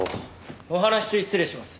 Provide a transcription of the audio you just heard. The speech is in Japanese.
お話し中失礼します！